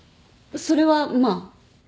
それはまあ。